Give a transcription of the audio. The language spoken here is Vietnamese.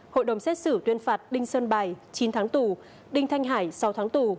hội đồng xét xử tuyên phạt đinh sơn bài chín tháng tù đinh thanh hải sáu tháng tù